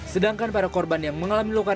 sedangkan para korban yang mengalami luka